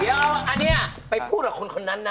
เดี๋ยวอันนี้ไปพูดกับคนคนนั้นนะ